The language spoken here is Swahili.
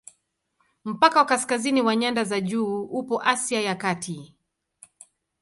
Mpaka wa kaskazini wa nyanda za juu upo Asia ya Kati.